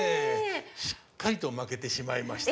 しっかりと負けてしまいました。